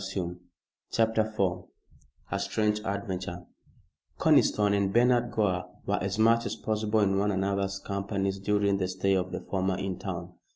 CHAPTER IV A STRANGE ADVENTURE Conniston and Bernard Gore were as much as possible in one another's company during the stay of the former in town.